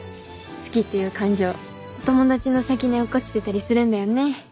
好きっていう感情友達の先に落っこちてたりするんだよね。